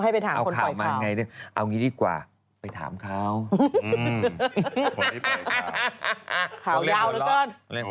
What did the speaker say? เออเอาข่าวมาอย่างไรด้วยเอางี้ดีกว่าไปถามเขาอืม